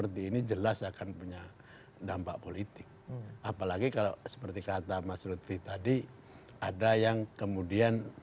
tetap bersama kami